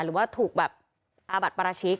หรือว่าถูกแบบอาบัติปราชิก